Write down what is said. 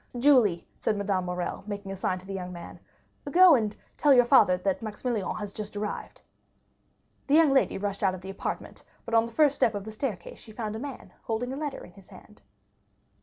"Julie," said Madame Morrel, making a sign to the young man, "go and tell your father that Maximilian has just arrived." The young lady rushed out of the apartment, but on the first step of the staircase she found a man holding a letter in his hand.